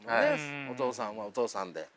お父さんはお父さんで。